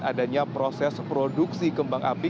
adanya proses produksi kembang api